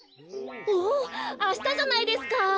おおあしたじゃないですか！